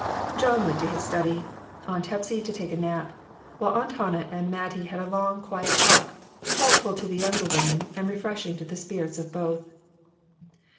John went to his study, Aunt Hepsy to take a nap, while Aunt Hannah and Mattie had a long, quiet talk, helpful to the younger woman and refreshing to the spirits of both.